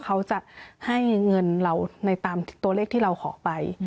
เขาจะให้เงินเราในตามตัวเลขที่เราขอไป